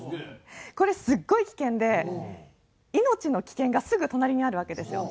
これすごい危険で命の危険がすぐ隣にあるわけですよ。